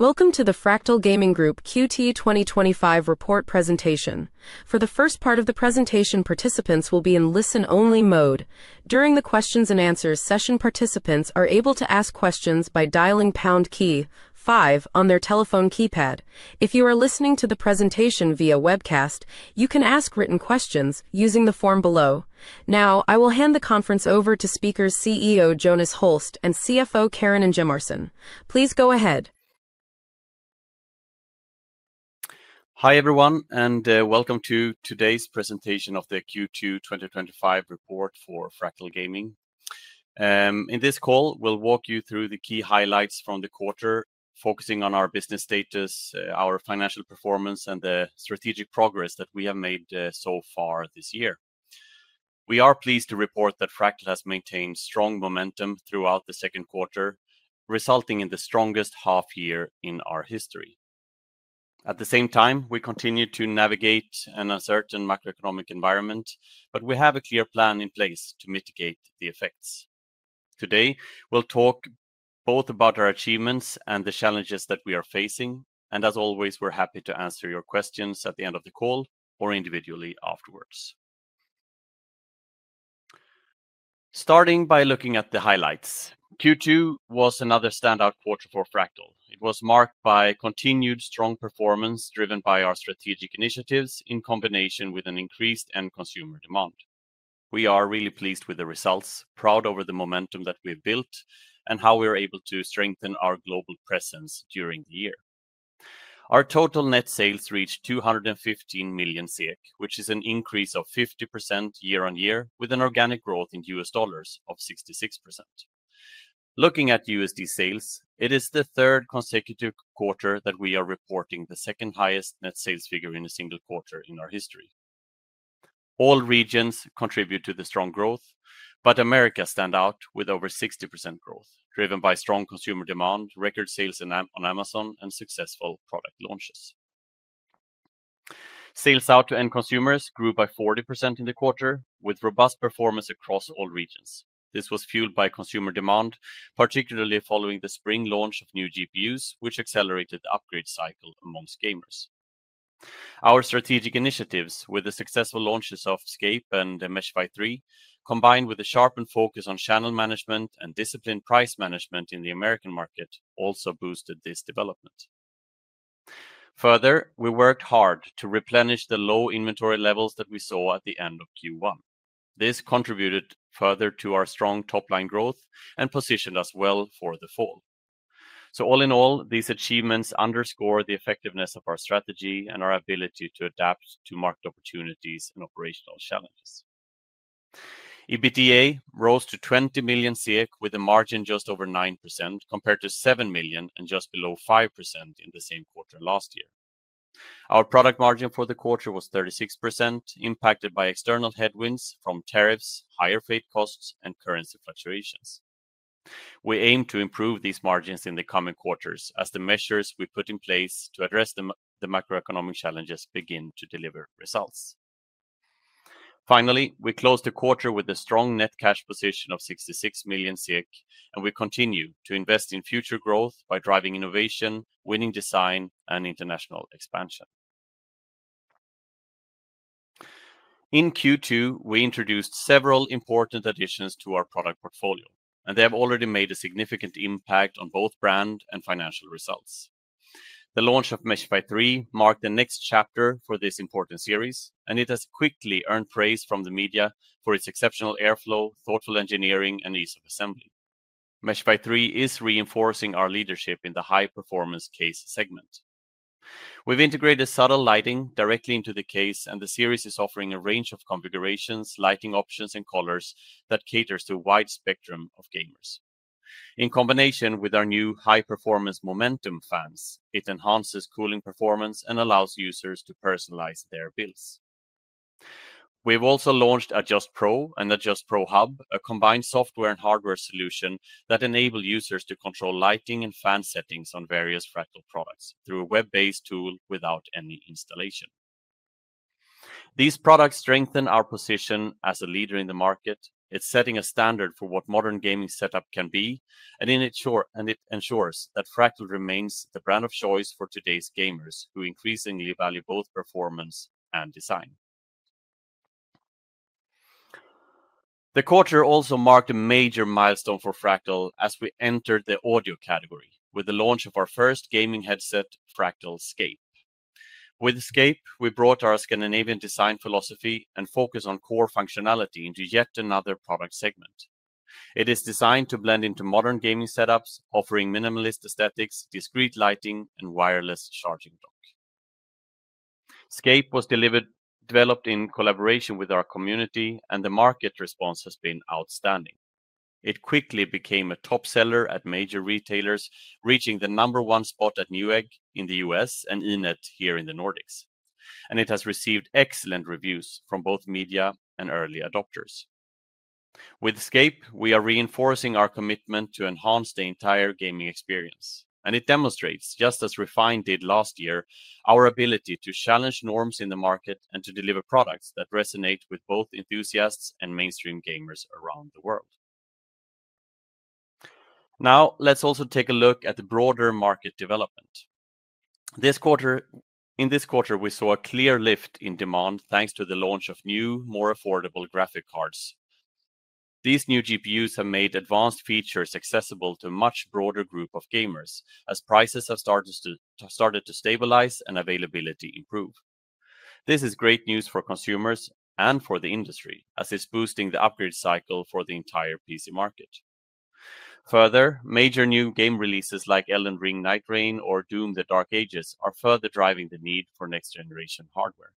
Welcome to the Fractal Gaming Group Q2 2025 Report Presentation. For the first part of the presentation, participants will be in listen-only mode. During the questions and answers session, participants are able to ask questions by dialing pound key five on their telephone keypad. If you are listening to the presentation via webcast, you can ask written questions using the form below. Now, I will hand the conference over to speakers CEO Jonas Holst and CFO Karin Ingemarson. Please go ahead. Hi everyone, and welcome to today's presentation of the Q2 2025 report for Fractal Gaming. In this call, we'll walk you through the key highlights from the quarter, focusing on our business status, our financial performance, and the strategic progress that we have made so far this year. We are pleased to report that Fractal has maintained strong momentum throughout the second quarter, resulting in the strongest half-year in our history. At the same time, we continue to navigate an uncertain macroeconomic environment, but we have a clear plan in place to mitigate the effects. Today, we'll talk both about our achievements and the challenges that we are facing, and as always, we're happy to answer your questions at the end of the call or individually afterwards. Starting by looking at the highlights, Q2 was another standout quarter for Fractal. It was marked by continued strong performance driven by our strategic initiatives in combination with an increased end-consumer demand. We are really pleased with the results, proud over the momentum that we've built, and how we are able to strengthen our global presence during the year. Our total net sales reached 215 million, which is an increase of 50% year-on-year, with an organic growth in U.S. dollars of 66%. Looking at USD sales, it is the third consecutive quarter that we are reporting the second highest net sales figure in a single quarter in our history. All regions contribute to the strong growth, but Americas stands out with over 60% growth, driven by strong consumer demand, record sales on Amazon, and successful product launches. Sales out to end-consumers grew by 40% in the quarter, with robust performance across all regions. This was fueled by consumer demand, particularly following the spring launch of new GPUs, which accelerated the upgrade cycle amongst gamers. Our strategic initiatives, with the successful launches of Scape and Meshify 3, combined with a sharpened focus on channel management and disciplined price management in the American market, also boosted this development. Further, we worked hard to replenish the low inventory levels that we saw at the end of Q1. This contributed further to our strong top-line growth and positioned us well for the fall. All in all, these achievements underscore the effectiveness of our strategy and our ability to adapt to market opportunities and operational challenges. EBITDA rose to 20 million, with a margin just over 9% compared to 7 million and just below 5% in the same quarter last year. Our product margin for the quarter was 36%, impacted by external headwinds from tariffs, higher freight costs, and currency fluctuations. We aim to improve these margins in the coming quarters as the measures we put in place to address the macroeconomic challenges begin to deliver results. Finally, we closed the quarter with a strong net cash position of 66 million, and we continue to invest in future growth by driving innovation, winning design, and international expansion. In Q2, we introduced several important additions to our product portfolio, and they have already made a significant impact on both brand and financial results. The launch of Meshify 3 marked the next chapter for this important series, and it has quickly earned praise from the media for its exceptional airflow, thoughtful engineering, and ease of assembly. Meshify 3 is reinforcing our leadership in the high-performance case segment. We've integrated subtle lighting directly into the case, and the series is offering a range of configurations, lighting options, and colors that cater to a wide spectrum of gamers. In combination with our new high-performance momentum fans, it enhances cooling performance and allows users to personalize their builds. We've also launched Adjust Pro and Adjust Pro Hub, a combined software and hardware solution that enables users to control lighting and fan settings on various Fractal products through a web-based tool without any installation. These products strengthen our position as a leader in the market. It's setting a standard for what a modern gaming setup can be, and it ensures that Fractal remains the brand of choice for today's gamers who increasingly value both performance and design. The quarter also marked a major milestone for Fractal as we entered the audio category with the launch of our first gaming headset, Scape. With Scape, we brought our Scandinavian design philosophy and focus on core functionality into yet another product segment. It is designed to blend into modern gaming setups, offering minimalist aesthetics, discrete lighting, and wireless charging dock. Scape was developed in collaboration with our community, and the market response has been outstanding. It quickly became a top seller at major retailers, reaching the number one spot at Newegg in the U.S. and ENET here in the Nordics. It has received excellent reviews from both media and early adopters. With Scape, we are reinforcing our commitment to enhance the entire gaming experience. It demonstrates, just as Refine did last year, our ability to challenge norms in the market and to deliver products that resonate with both enthusiasts and mainstream gamers around the world. Now, let's also take a look at the broader market development. In this quarter, we saw a clear lift in demand thanks to the launch of new, more affordable graphics cards. These new GPUs have made advanced features accessible to a much broader group of gamers as prices have started to stabilize and availability improve. This is great news for consumers and for the industry, as it is boosting the upgrade cycle for the entire PC market. Further, major new game releases like Elden Ring Nightreign or Doom: The Dark Ages are further driving the need for next-generation hardware.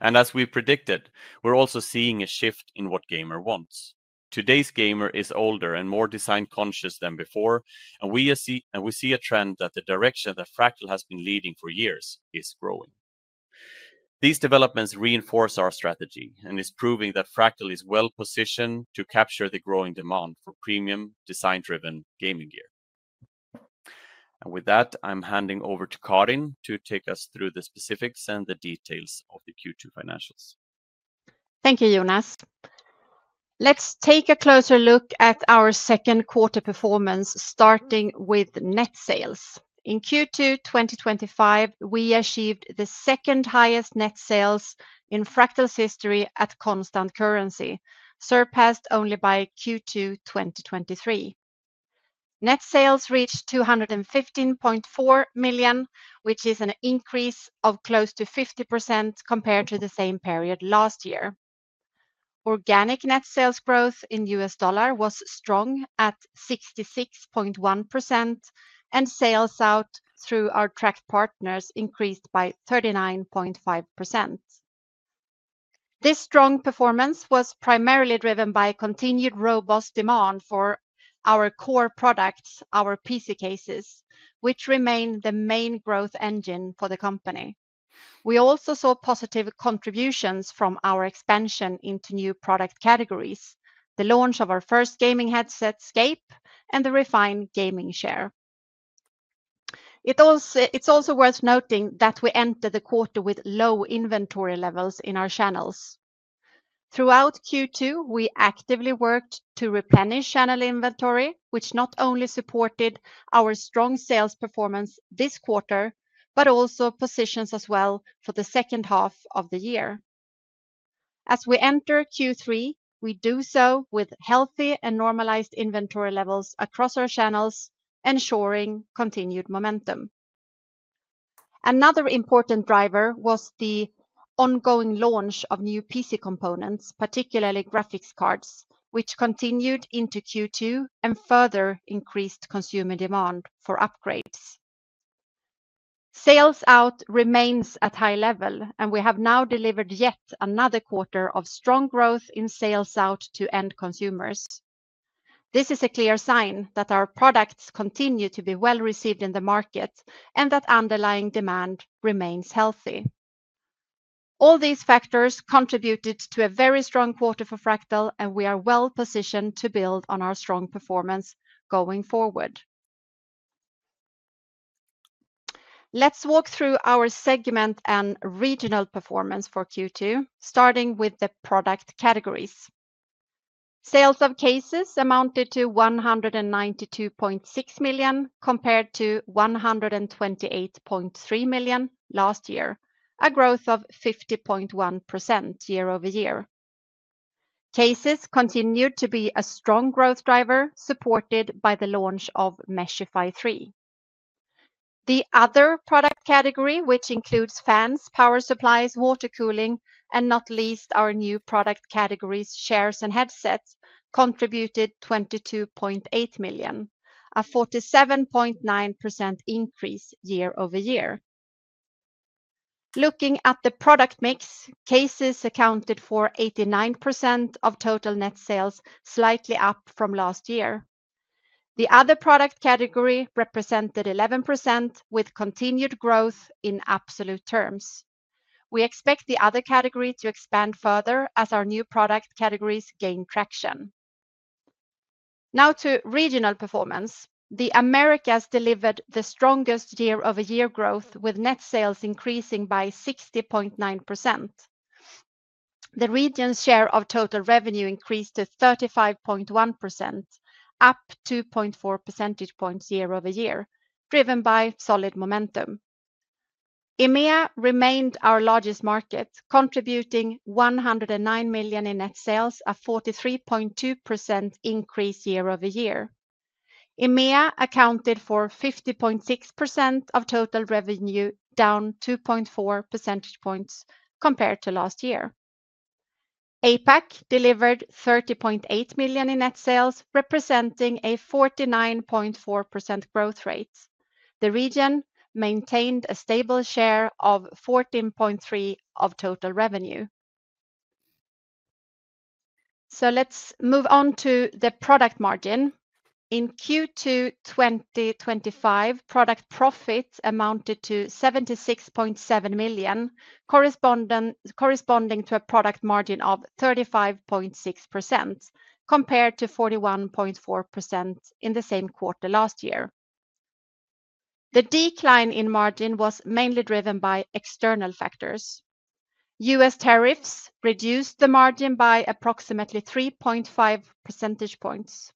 As we predicted, we are also seeing a shift in what gamers want. Today's gamer is older and more design-conscious than before, and we see a trend that the direction that Fractal has been leading for years is growing. These developments reinforce our strategy, and it is proving that Fractal is well-positioned to capture the growing demand for premium, design-driven gaming gear. With that, I'm handing over to Karin to take us through the specifics and the details of the Q2 financials. Thank you, Jonas. Let's take a closer look at our second quarter performance, starting with net sales. In Q2 2025, we achieved the second highest net sales in Fractal's history at constant currency, surpassed only by Q2 2023. Net sales reached 215.4 million, which is an increase of close to 50% compared to the same period last year. Organic net sales growth in U.S. dollars was strong at 66.1%, and sales out through our tracked partners increased by 39.5%. This strong performance was primarily driven by continued robust demand for our core products, our PC cases, which remain the main growth engine for the company. We also saw positive contributions from our expansion into new product categories, the launch of our first gaming headset, Scape, and the Refine Gaming Chair. It's also worth noting that we entered the quarter with low inventory levels in our channels. Throughout Q2, we actively worked to replenish channel inventory, which not only supported our strong sales performance this quarter, but also positions us well for the second half of the year. As we enter Q3, we do so with healthy and normalized inventory levels across our channels, ensuring continued momentum. Another important driver was the ongoing launch of new PC components, particularly graphics cards, which continued into Q2 and further increased consumer demand for upgrades. Sales out remains at a high level, and we have now delivered yet another quarter of strong growth in sales out to end-consumers. This is a clear sign that our products continue to be well received in the market and that underlying demand remains healthy. All these factors contributed to a very strong quarter for Fractal, and we are well positioned to build on our strong performance going forward. Let's walk through our segment and regional performance for Q2, starting with the product categories. Sales of cases amounted to 192.6 million compared to 128.3 million last year, a growth of 50.1% year-over-year. Cases continue to be a strong growth driver supported by the launch of Meshify 3. The other product category, which includes fans, power supply units, water cooling, and not least our new product category, chairs and headsets, contributed 22.8 million, a 47.9% increase year-over-year. Looking at the product mix, cases accounted for 89% of total net sales, slightly up from last year. The other product category represented 11% with continued growth in absolute terms. We expect the other category to expand further as our new product categories gain traction. Now to regional performance. The Americas delivered the strongest year-over-year growth, with net sales increasing by 60.9%. The region's share of total revenue increased to 35.1%, up 2.4 percentage points year-over-year, driven by solid momentum. EMEA remained our largest market, contributing 109 million in net sales, a 43.2% increase year-over-year. EMEA accounted for 50.6% of total revenue, down 2.4 percentage points compared to last year. APAC delivered 30.8 million in net sales, representing a 49.4% growth rate. The region maintained a stable share of 14.3% of total revenue. Let's move on to the product margin. In Q2 2025, product profits amounted to 76.7 million, corresponding to a product margin of 35.6%, compared to 41.4% in the same quarter last year. The decline in margin was mainly driven by external factors. U.S. tariffs reduced the margin by approximately 3.5 percentage points.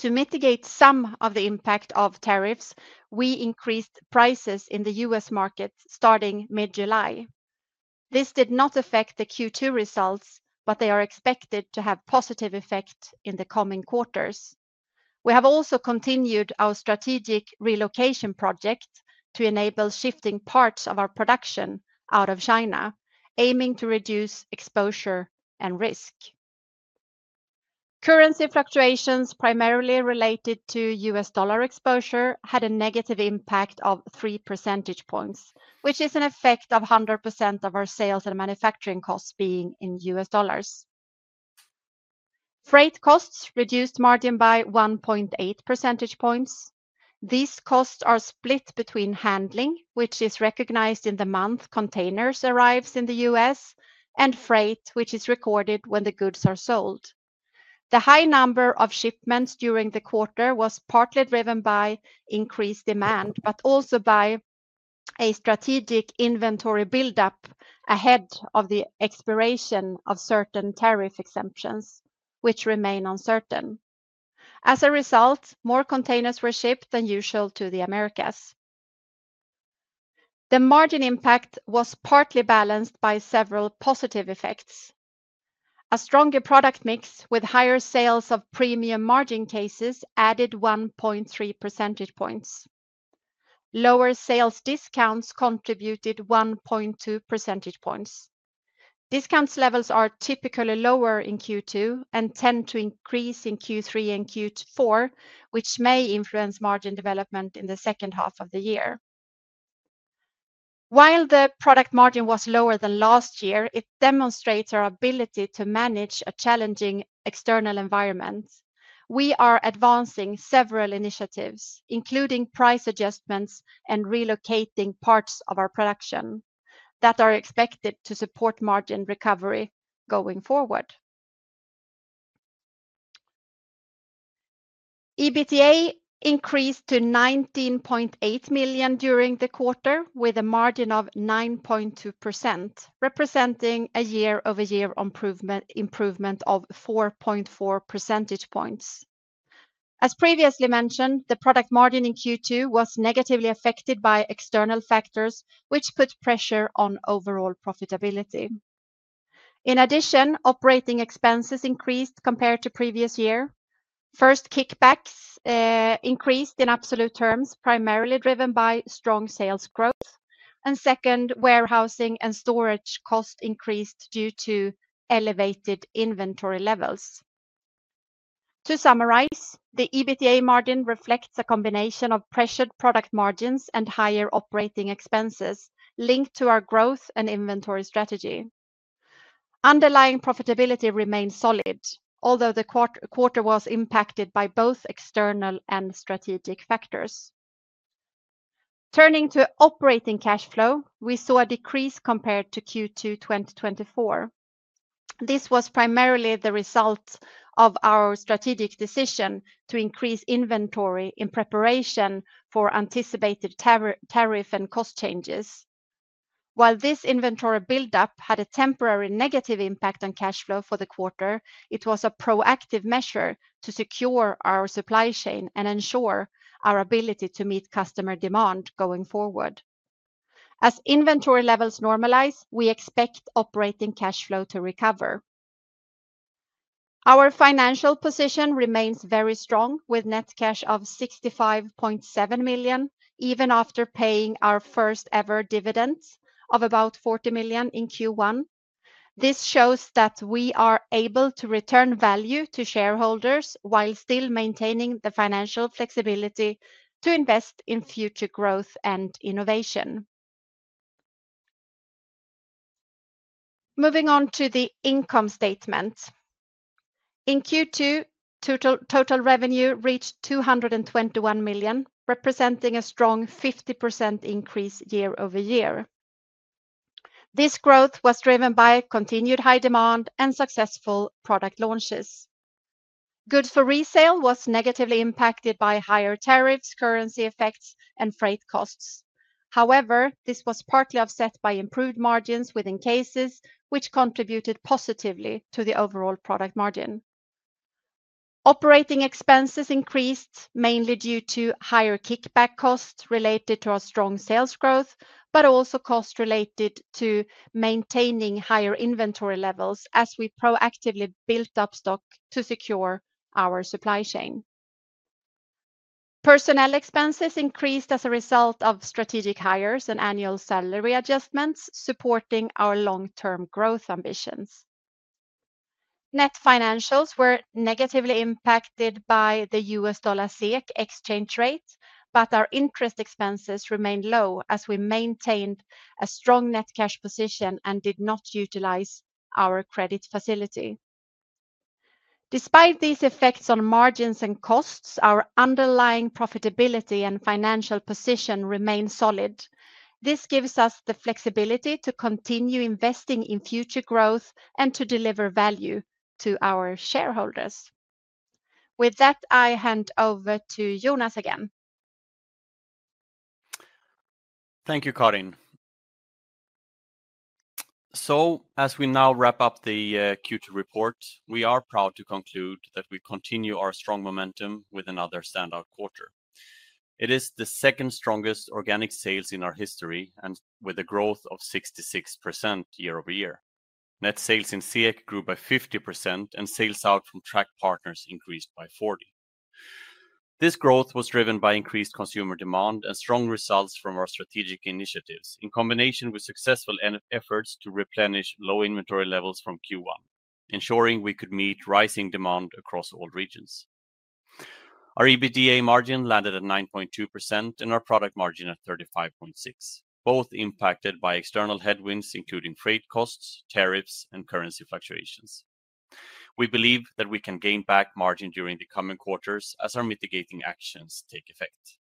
To mitigate some of the impact of tariffs, we increased prices in the U.S. market starting mid-July. This did not affect the Q2 results, but they are expected to have a positive effect in the coming quarters. We have also continued our strategic relocation project to enable shifting parts of our production out of China, aiming to reduce exposure and risk. Currency fluctuations, primarily related to U.S. dollar exposure, had a negative impact of 3 percentage points, which is an effect of 100% of our sales and manufacturing costs being in U.S. dollars. Freight costs reduced margin by 1.8 percentage points. These costs are split between handling, which is recognized in the month containers arrive in the U.S., and freight, which is recorded when the goods are sold. The high number of shipments during the quarter was partly driven by increased demand, but also by a strategic inventory buildup ahead of the expiration of certain tariff exemptions, which remain uncertain. As a result, more containers were shipped than usual to the Americas. The margin impact was partly balanced by several positive effects. A stronger product mix with higher sales of premium margin cases added 1.3 percentage points. Lower sales discounts contributed 1.2 percentage points. Discount levels are typically lower in Q2 and tend to increase in Q3 and Q4, which may influence margin development in the second half of the year. While the product margin was lower than last year, it demonstrates our ability to manage a challenging external environment. We are advancing several initiatives, including price adjustments and relocating parts of our production that are expected to support margin recovery going forward. EBITDA increased to 19.8 million during the quarter, with a margin of 9.2%, representing a year-over-year improvement of 4.4%. As previously mentioned, the product margin in Q2 was negatively affected by external factors, which put pressure on overall profitability. In addition, operating expenses increased compared to the previous year. First, kickbacks increased in absolute terms, primarily driven by strong sales growth. Second, warehousing and storage costs increased due to elevated inventory levels. To summarize, the EBITDA margin reflects a combination of pressured product margins and higher operating expenses linked to our growth and inventory strategy. Underlying profitability remains solid, although the quarter was impacted by both external and strategic factors. Turning to operating cash flow, we saw a decrease compared to Q2 2024. This was primarily the result of our strategic decision to increase inventory in preparation for anticipated tariff and cost changes. While this inventory buildup had a temporary negative impact on cash flow for the quarter, it was a proactive measure to secure our supply chain and ensure our ability to meet customer demand going forward. As inventory levels normalize, we expect operating cash flow to recover. Our financial position remains very strong, with net cash of 65.7 million, even after paying our first-ever dividend of about 40 million in Q1. This shows that we are able to return value to shareholders while still maintaining the financial flexibility to invest in future growth and innovation. Moving on to the income statement. In Q2, total revenue reached 221 million, representing a strong 50% increase year-over-year. This growth was driven by continued high demand and successful product launches. Goods for resale were negatively impacted by higher tariffs, currency effects, and freight costs. However, this was partly offset by improved margins within cases, which contributed positively to the overall product margin. Operating expenses increased mainly due to higher kickback costs related to our strong sales growth, but also costs related to maintaining higher inventory levels as we proactively built up stock to secure our supply chain. Personnel expenses increased as a result of strategic hires and annual salary adjustments, supporting our long-term growth ambitions. Net financials were negatively impacted by the U.S. dollar SEK exchange rate, but our interest expenses remained low as we maintained a strong net cash position and did not utilize our credit facility. Despite these effects on margins and costs, our underlying profitability and financial position remain solid. This gives us the flexibility to continue investing in future growth and to deliver value to our shareholders. With that, I hand over to Jonas again. Thank you, Karin. As we now wrap up the Q2 report, we are proud to conclude that we continue our strong momentum with another standout quarter. It is the second strongest organic sales in our history, and with a growth of 66% year-over-year. Net sales in SEK grew by 50%, and sales out from tracked partners increased by 40%. This growth was driven by increased consumer demand and strong results from our strategic initiatives, in combination with successful efforts to replenish low inventory levels from Q1, ensuring we could meet rising demand across all regions. Our EBITDA margin landed at 9.2% and our product margin at 35.6%, both impacted by external headwinds, including freight costs, tariffs, and currency fluctuations. We believe that we can gain back margin during the coming quarters as our mitigating actions take effect.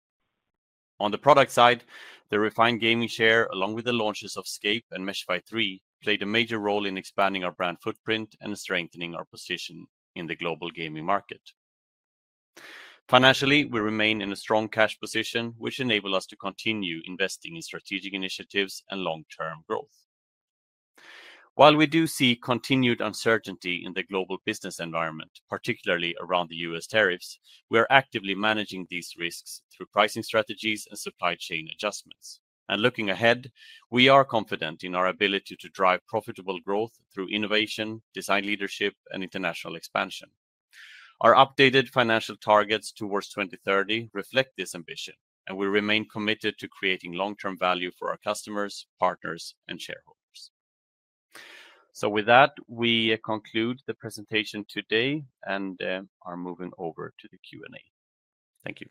On the product side, the Refine Gaming Chair, along with the launches of Scape and Meshify 3, played a major role in expanding our brand footprint and strengthening our position in the global gaming market. Financially, we remain in a strong cash position, which enables us to continue investing in strategic initiatives and long-term growth. While we do see continued uncertainty in the global business environment, particularly around the U.S. tariffs, we are actively managing these risks through pricing strategies and supply chain adjustments. Looking ahead, we are confident in our ability to drive profitable growth through innovation, design leadership, and international expansion. Our updated financial targets towards 2030 reflect this ambition, and we remain committed to creating long-term value for our customers, partners, and shareholders. With that, we conclude the presentation today and are moving over to the Q&A. Thank you.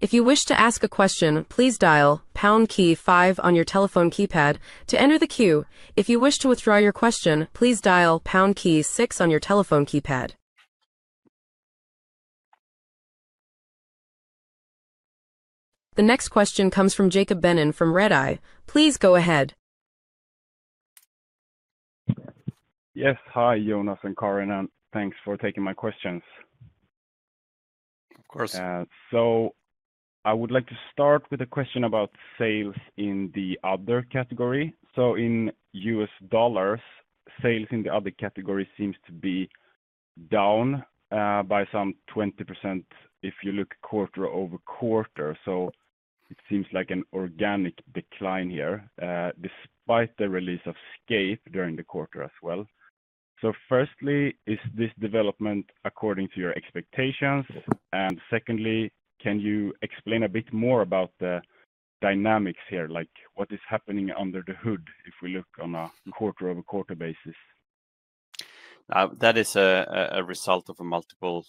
If you wish to ask a question, please dial pound key five on your telephone keypad to enter the queue. If you wish to withdraw your question, please dial pound key six on your telephone keypad. The next question comes from Jacob Benon from Redeye. Please go ahead. Yes, hi, Jonas and Karin, and thanks for taking my questions. Of course. I would like to start with a question about sales in the other category. In U.S. dollars, sales in the other category seem to be down by some 20% if you look quarter-over-quarter. It seems like an organic decline here despite the release of Scape during the quarter as well. Firstly, is this development according to your expectations? Secondly, can you explain a bit more about the dynamics here, like what is happening under the hood if we look on a quarter-over-quarter basis? That is a result of multiple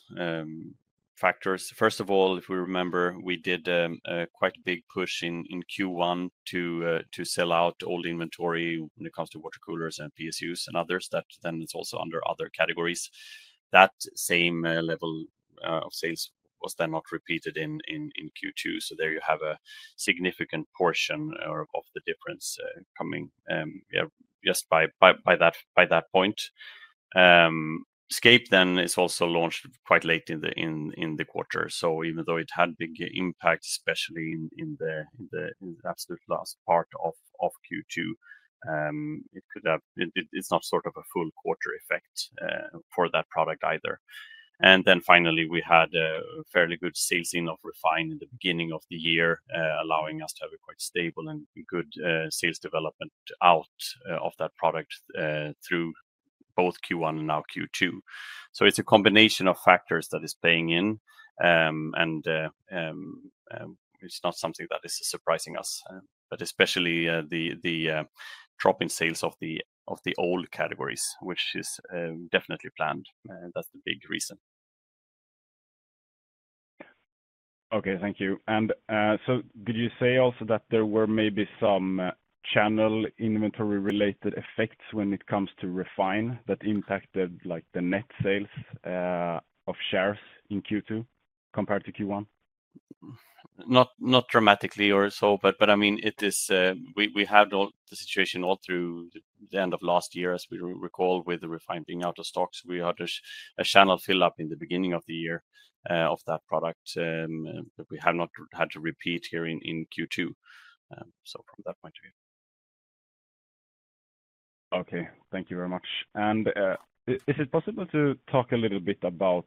factors. First of all, if we remember, we did a quite big push in Q1 to sell out all the inventory when it comes to water cooling and power supply units and others. That then is also under other categories. That same level of sales was then not repeated in Q2. There you have a significant portion of the difference coming just by that point. Scape then is also launched quite late in the quarter. Even though it had a big impact, especially in the absolute last part of Q2, it's not sort of a full quarter effect for that product either. Finally, we had a fairly good sales in of Refine in the beginning of the year, allowing us to have a quite stable and good sales development out of that product through both Q1 and now Q2. It's a combination of factors that is playing in, and it's not something that is surprising us, but especially the drop in sales of the old categories, which is definitely planned. That's the big reason. Thank you. Did you say also that there were maybe some channel inventory-related effects when it comes to Refine that impacted the net sales of shares in Q2 compared to Q1? Not dramatically or so, but I mean, we had the situation all through the end of last year, as we recall, with the Refine being out of stock. We had a channel fill-up in the beginning of the year of that product that we had not had to repeat here in Q2. From that point of view. Okay, thank you very much. Is it possible to talk a little bit about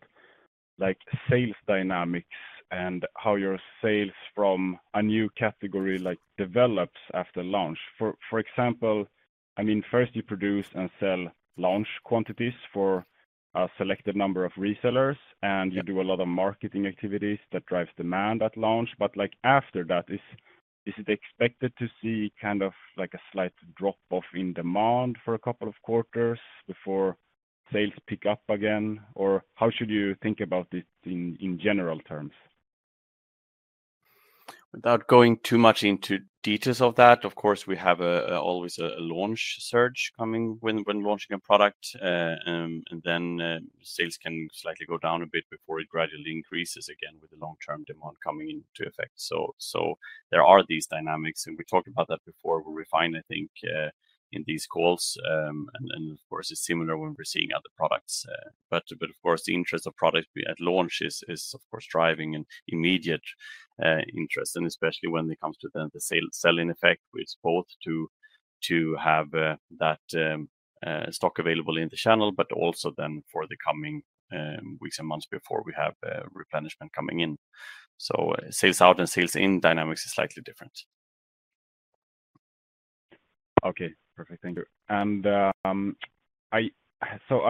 sales dynamics and how your sales from a new category develop after launch? For example, first you produce and sell launch quantities for a selected number of resellers, and you do a lot of marketing activities that drive demand at launch. After that, is it expected to see kind of a slight drop-off in demand for a couple of quarters before sales pick up again? How should you think about it in general terms? Without going too much into details of that, of course, we have always a launch surge coming when launching a product. Sales can slightly go down a bit before it gradually increases again with the long-term demand coming into effect. There are these dynamics, and we talked about that before with Refine, I think, in these calls. Of course, it's similar when we're seeing other products. The interest of products at launch is, of course, driving immediate interest, especially when it comes to the selling effect, which is both to have that stock available in the channel, but also then for the coming weeks and months before we have inventory replenishment coming in. Sales out and sales in dynamics are slightly different. Okay, perfect. Thank you.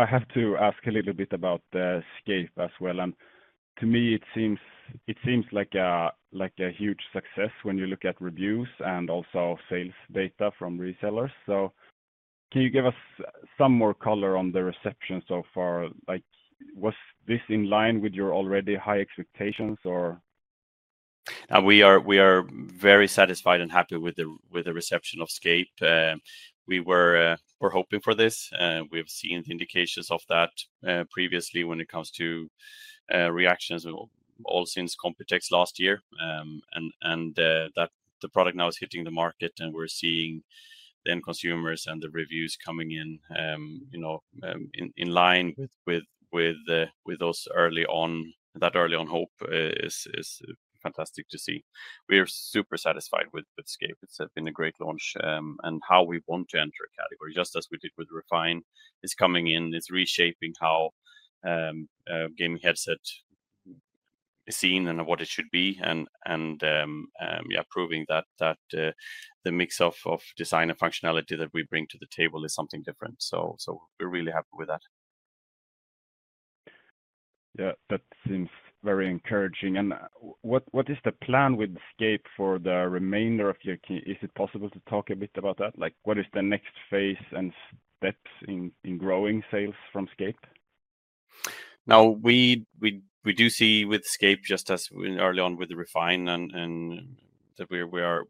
I have to ask a little bit about the Scape as well. To me, it seems like a huge success when you look at reviews and also sales data from resellers. Can you give us some more color on the reception so far? Was this in line with your already high expectations or? We are very satisfied and happy with the reception of Scape. We were hoping for this. We've seen indications of that previously when it comes to reactions all since COMPUTEX last year. Now that the product is hitting the market and we're seeing the end-consumers and the reviews coming in, you know, in line with those early on, that early on hope is fantastic to see. We are super satisfied with Scape. It's been a great launch. How we want to enter a category, just as we did with Refine, is coming in, reshaping how a gaming headset is seen and what it should be. Yeah, proving that the mix of design and functionality that we bring to the table is something different. We're really happy with that. Yeah, that seems very encouraging. What is the plan with Scape for the remainder of your... Is it possible to talk a bit about that? Like, what is the next phase and steps in growing sales from Scape? Now, we do see with Scape, just as early on with the Refine, that we are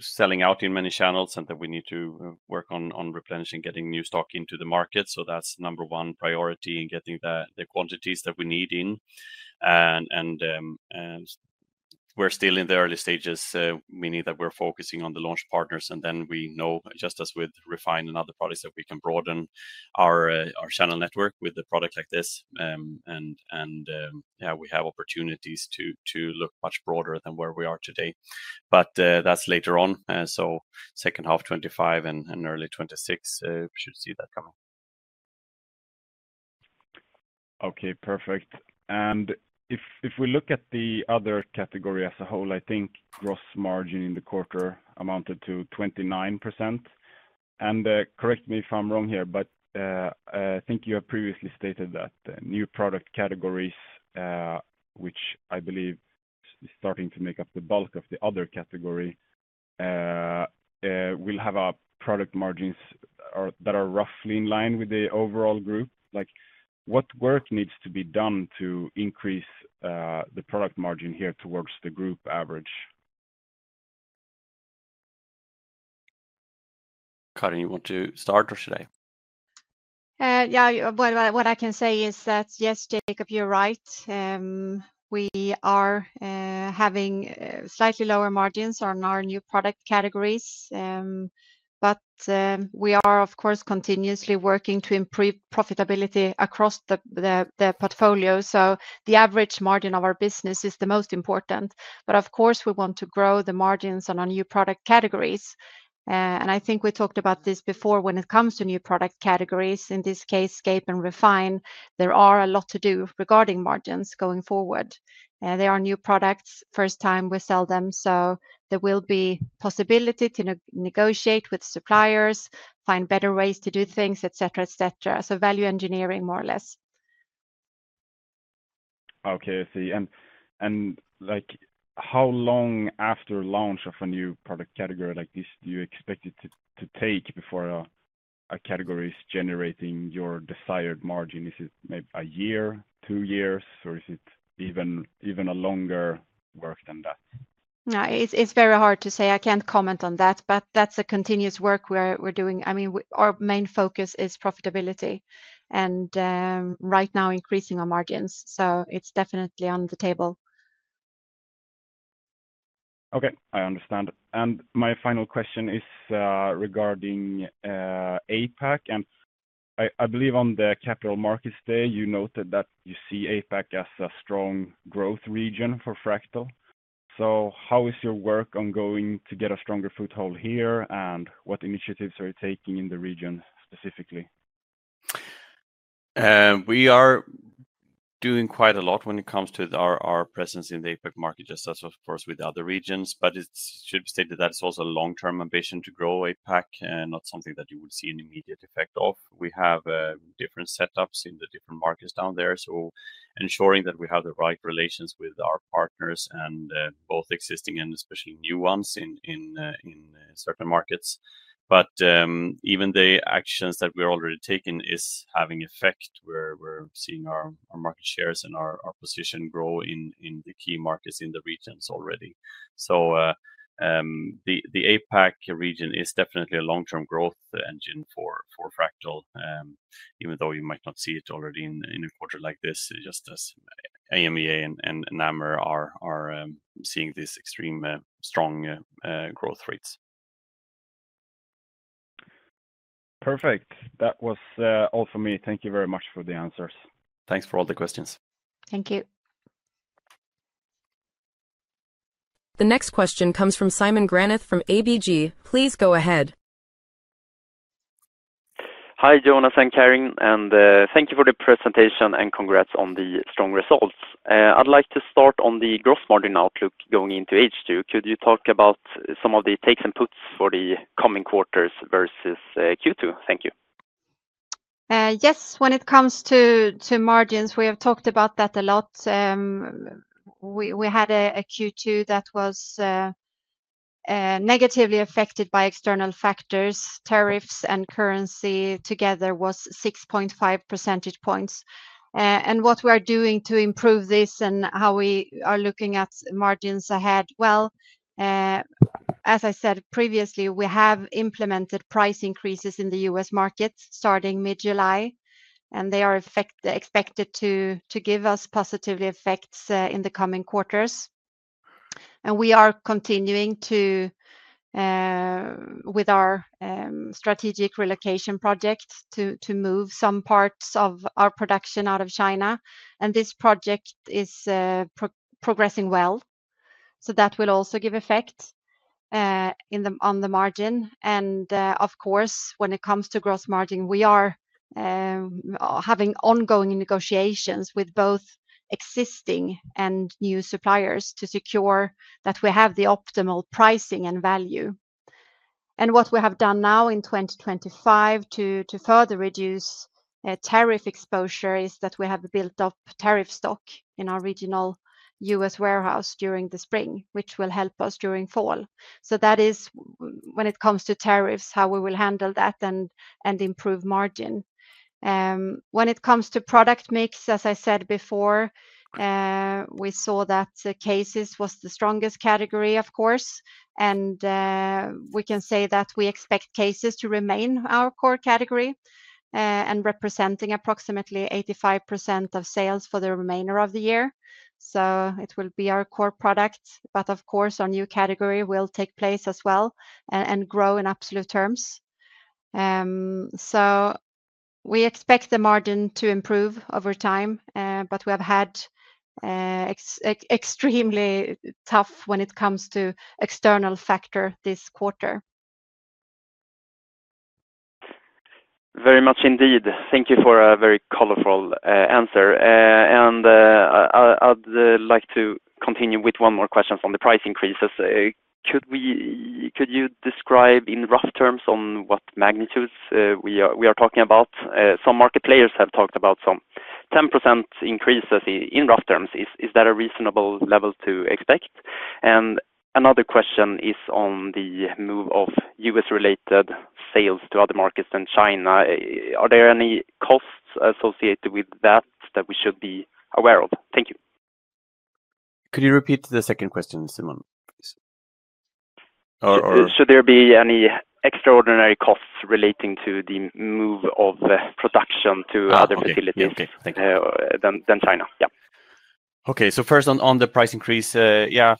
selling out in many channels and that we need to work on replenishing and getting new stock into the market. That's number one priority in getting the quantities that we need in. We're still in the early stages, meaning that we're focusing on the launch partners. We know, just as with Refine and other parties, that we can broaden our channel network with a product like this. We have opportunities to look much broader than where we are today. That's later on. Second half 2025 and early 2026, we should see that coming. Okay, perfect. If we look at the other category as a whole, I think gross margin in the quarter amounted to 29%. Correct me if I'm wrong here, but I think you have previously stated that the new product categories, which I believe is starting to make up the bulk of the other category, will have product margins that are roughly in line with the overall group. What work needs to be done to increase the product margin here towards the group average? Karin, you want to start or should I? Yeah, what I can say is that, yes, Jacob, you're right. We are having slightly lower margins on our new product categories. We are, of course, continuously working to improve profitability across the portfolio. The average margin of our business is the most important. Of course, we want to grow the margins on our new product categories. I think we talked about this before when it comes to new product categories. In this case, Scape and Refine, there are a lot to do regarding margins going forward. These are new products, first time we sell them. There will be a possibility to negotiate with suppliers, find better ways to do things, et cetera, et cetera. Value engineering, more or less. Okay, I see. How long after launch of a new product category like this do you expect it to take before a category is generating your desired margin? Is it maybe a year, two years, or is it even a longer work than that? No, it's very hard to say. I can't comment on that, but that's the continuous work we're doing. I mean, our main focus is profitability and right now increasing our margins. It's definitely on the table. Okay, I understand. My final question is regarding APAC. I believe on the Capital Markets Day, you noted that you see APAC as a strong growth region for Fractal. How is your work ongoing to get a stronger foothold here, and what initiatives are you taking in the region specifically? We are doing quite a lot when it comes to our presence in the APAC market, just as, of course, with other regions. It should be stated that it's also a long-term ambition to grow APAC and not something that you would see an immediate effect of. We have different setups in the different markets down there, ensuring that we have the right relations with our partners and both existing and especially new ones in certain markets. Even the actions that we're already taking are having effect. We're seeing our market shares and our position grow in the key markets in the regions already. The APAC region is definitely a long-term growth engine for Fractal, even though you might not see it already in a quarter like this, just as AMEA and Namur are seeing these extremely strong growth rates. Perfect. That was all for me. Thank you very much for the answers. Thanks for all the questions. Thank you. The next question comes from Simon Granath from ABG. Please go ahead. Hi, Jonas and Karin, and thank you for the presentation and congrats on the strong results. I'd like to start on the gross margin outlook going into H2. Could you talk about some of the takes and puts for the coming quarters versus Q2? Thank you. Yes, when it comes to margins, we have talked about that a lot. We had a Q2 that was negatively affected by external factors. Tariffs and currency together were 6.5%. What we are doing to improve this and how we are looking at margins ahead, as I said previously, we have implemented price increases in the U.S. market starting mid-July, and they are expected to give us positive effects in the coming quarters. We are continuing with our strategic relocation project to move some parts of our production out of China, and this project is progressing well. That will also give effect on the margin. Of course, when it comes to gross margin, we are having ongoing negotiations with both existing and new suppliers to secure that we have the optimal pricing and value. What we have done now in 2025 to further reduce tariff exposure is that we have built up tariff stock in our regional U.S. warehouse during the spring, which will help us during fall. That is when it comes to tariffs, how we will handle that and improve margin. When it comes to product mix, as I said before, we saw that cases were the strongest category, of course. We can say that we expect cases to remain our core category and represent approximately 85% of sales for the remainder of the year. It will be our core product. Of course, our new category will take place as well and grow in absolute terms. We expect the margin to improve over time, but we have had an extremely tough time when it comes to external factors this quarter. very much indeed. Thank you for a very colorful answer. I'd like to continue with one more question on the price increases. Could you describe in rough terms what magnitudes we are talking about? Some market players have talked about some 10% increases in rough terms. Is that a reasonable level to expect? Another question is on the move of U.S.-related sales to other markets than China. Are there any costs associated with that that we should be aware of? Thank you. Could you repeat the second question, Simon? Should there be any extraordinary costs relating to the move of production to other facilities than China? Yeah. Okay, so first on the price increase, yeah,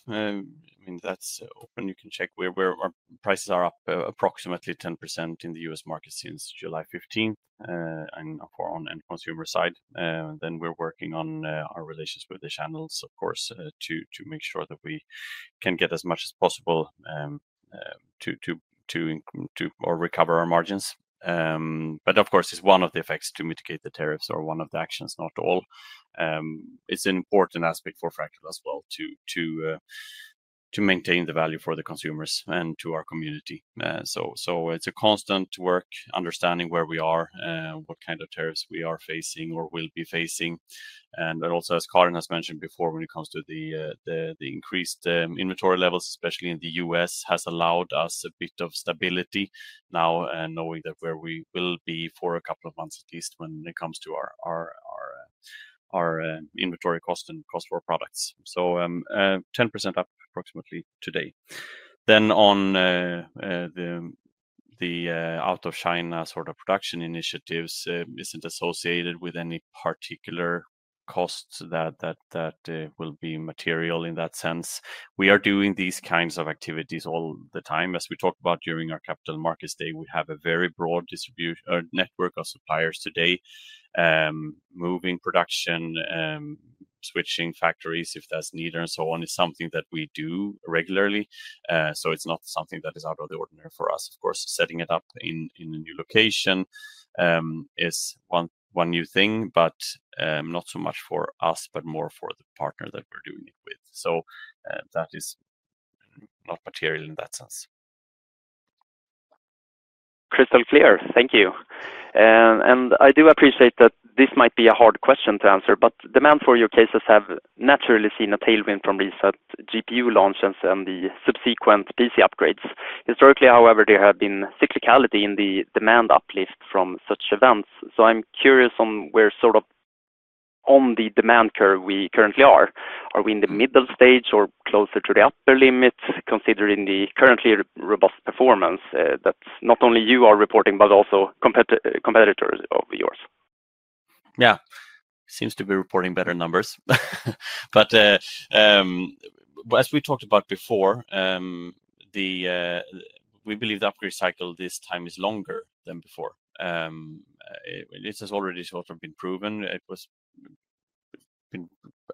I mean, that's open. You can check where our prices are up approximately 10% in the U.S. market since July 15. For the end-consumer side, we're working on our relations with the channels, of course, to make sure that we can get as much as possible to recover our margins. Of course, it's one of the effects to mitigate the tariffs or one of the actions, not all. It's an important aspect for Fractal as well to maintain the value for the consumers and to our community. It's a constant work understanding where we are, what kind of tariffs we are facing or will be facing. Also, as Karin Ingemarson has mentioned before, when it comes to the increased inventory levels, especially in the U.S., it has allowed us a bit of stability now, knowing where we will be for a couple of months at least when it comes to our inventory costs and cost for our products. So 10% up approximately today. On the out-of-China sort of production initiatives, is it associated with any particular costs that will be material in that sense? We are doing these kinds of activities all the time. As we talked about during our Capital Markets Day, we have a very broad network of suppliers today. Moving production, switching factories if that's needed, and so on is something that we do regularly. It's not something that is out of the ordinary for us. Of course, setting it up in a new location is one new thing, but not so much for us, but more for the partner that we're doing it with. That is not material in that sense. Crystal clear. Thank you. I do appreciate that this might be a hard question to answer, but demand for your cases has naturally seen a tailwind from recent GPU launches and the subsequent PC upgrades. Historically, however, there has been cyclicality in the demand uplift from such events. I'm curious on where sort of on the demand curve we currently are. Are we in the middle stage or closer to the upper limit, considering the currently robust performance that not only you are reporting, but also competitors of yours? Yeah, it seems to be reporting better numbers. As we talked about before, we believe the upgrade cycle this time is longer than before. This has already sort of been proven. It was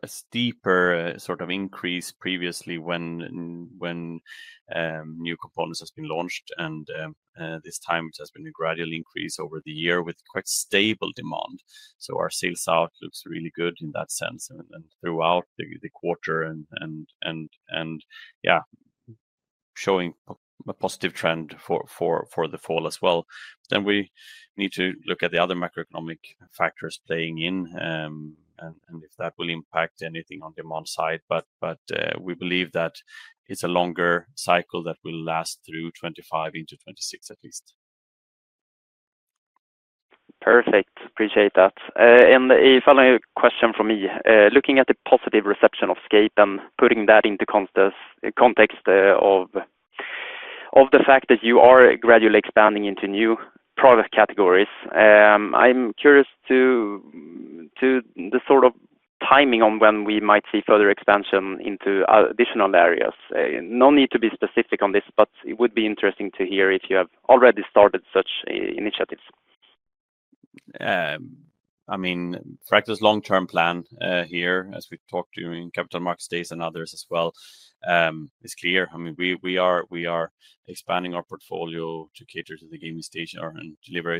a steeper sort of increase previously when new components have been launched. This time, it has been a gradual increase over the year with quite stable demand. Our sales outlook is really good in that sense and throughout the quarter, showing a positive trend for the fall as well. We need to look at the other macroeconomic factors playing in and if that will impact anything on the demand side. We believe that it's a longer cycle that will last through 2025 into 2026 at least. Perfect. Appreciate that. A following question from me. Looking at the positive reception of Scape and putting that into context of the fact that you are gradually expanding into new product categories, I'm curious to the sort of timing on when we might see further expansion into additional areas. No need to be specific on this, but it would be interesting to hear if you have already started such initiatives. Fractal's long-term plan here, as we've talked during Capital Markets Days and others as well, is clear. We are expanding our portfolio to cater to the gaming station and deliver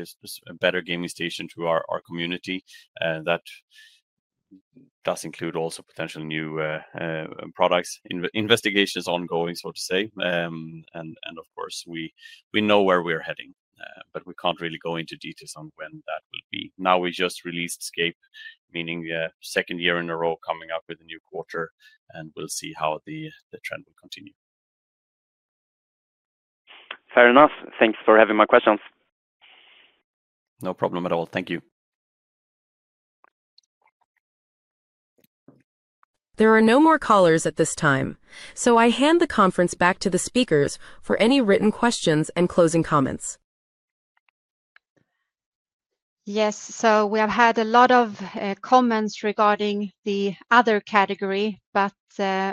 a better gaming station to our community. That does include also potential new products. Investigation is ongoing, so to say. Of course, we know where we're heading, but we can't really go into details on when that will be. Now we just released Scape, meaning the second year in a row coming up with a new quarter, and we'll see how the trend will continue. Fair enough. Thanks for having my questions. No problem at all. Thank you. There are no more callers at this time, so I hand the conference back to the speakers for any written questions and closing comments. Yes, we have had a lot of comments regarding the other category.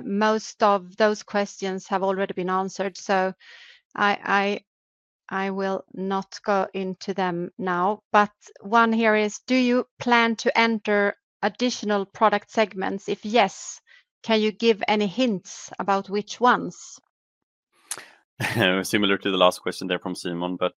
Most of those questions have already been answered, so I will not go into them now. One here is, do you plan to enter additional product segments? If yes, can you give any hints about which ones? Similar to the last question there from Simon, we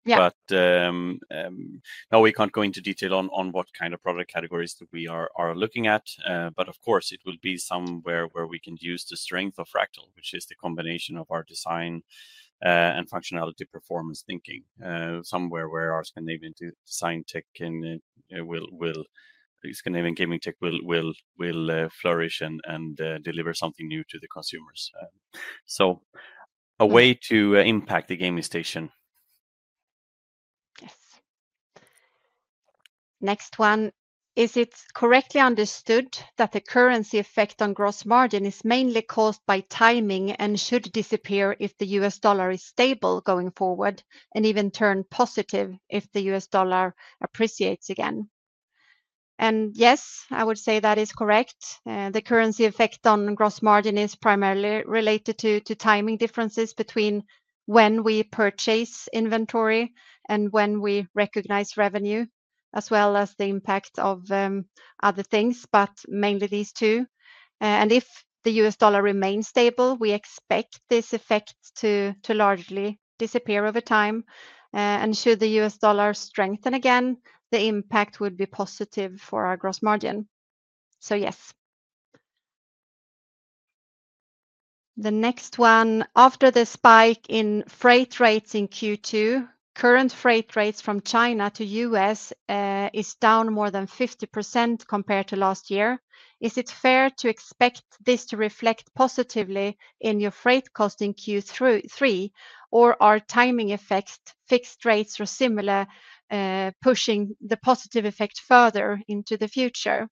can't go into detail on what kind of product categories we are looking at. Of course, it will be somewhere where we can use the strength of Fractal, which is the combination of our design and functionality performance thinking, somewhere where our Scandinavian design tech, Scandinavian gaming tech will flourish and deliver something new to the consumers. A way to impact the gaming station. Is it correctly understood that the currency effect on gross margin is mainly caused by timing and should disappear if the U.S. dollar is stable going forward and even turn positive if the U.S. dollar appreciates again? Yes, I would say that is correct. The currency effect on gross margin is primarily related to timing differences between when we purchase inventory and when we recognize revenue, as well as the impact of other things, but mainly these two. If the U.S. dollar remains stable, we expect this effect to largely disappear over time. Should the U.S. dollar strengthen again, the impact would be positive for our gross margin. After the spike in freight rates in Q2, current freight rates from China to the U.S. are down more than 50% compared to last year. Is it fair to expect this to reflect positively in your freight cost in Q3, or are timing effects, fixed rates, or similar pushing the positive effect further into the future?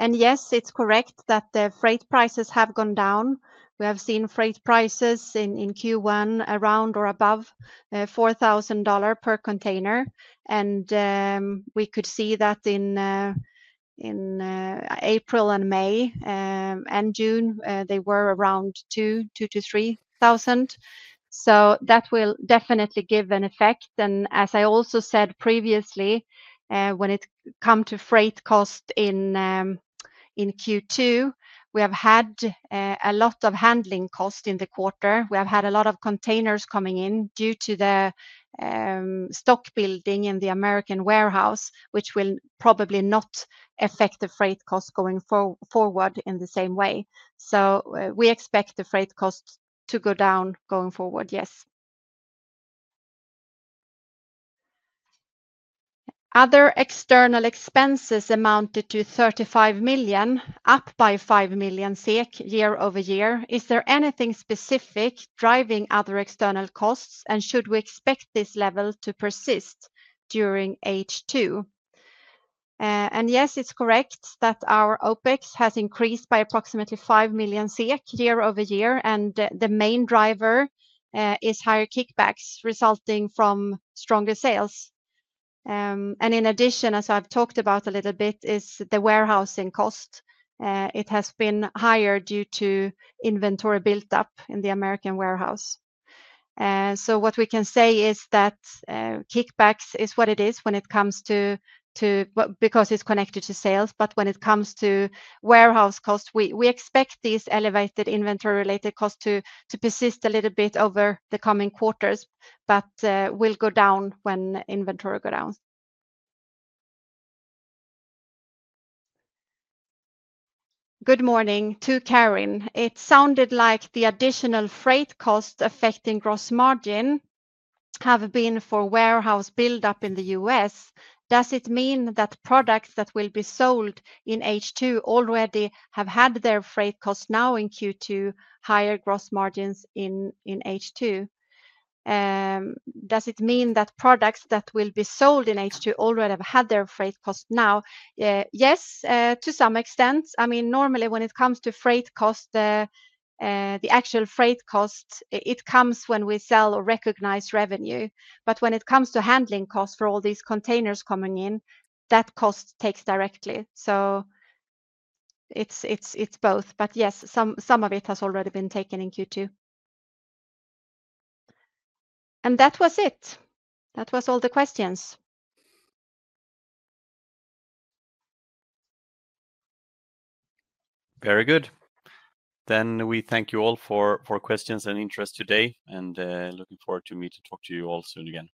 Yes, it's correct that the freight prices have gone down. We have seen freight prices in Q1 around or above SEK 4,000 per container. In April, May, and June, they were around 2,000-3,000. That will definitely give an effect. As I also said previously, when it comes to freight cost in Q2, we have had a lot of handling costs in the quarter. We have had a lot of containers coming in due to the stock building in the American warehouse, which will probably not affect the freight cost going forward in the same way. We expect the freight cost to go down going forward, yes. Other external expenses amounted to 35 million, up by 5 million SEK year-over-year. Is there anything specific driving other external costs, and should we expect this level to persist during H2? Yes, it's correct that our OpEx has increased by approximately 5 million SEK year-over-year, and the main driver is higher kickbacks resulting from stronger sales. In addition, as I've talked about a little bit, is the warehousing cost. It has been higher due to inventory buildup in the American warehouse. What we can say is that kickbacks are what it is when it comes to, because it's connected to sales, but when it comes to warehouse costs, we expect these elevated inventory-related costs to persist a little bit over the coming quarters, but will go down when inventory goes down. Good morning to Karin. It sounded like the additional freight costs affecting gross margin have been for warehouse buildup in the U.S. Does it mean that products that will be sold in H2 already have had their freight costs now in Q2, higher gross margins in H2? Does it mean that products that will be sold in H2 already have had their freight costs now? Yes, to some extent. I mean, normally when it comes to freight costs, the actual freight cost, it comes when we sell or recognize revenue. When it comes to handling costs for all these containers coming in, that cost takes directly. It's both. Yes, some of it has already been taken in Q2. That was it. That was all the questions. Very good. We thank you all for questions and interest today, and look forward to meeting and talking to you all soon again. Thank you.